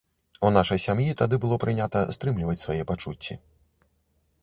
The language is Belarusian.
У нашай сям'і тады было прынята стрымліваць свае пачуцці.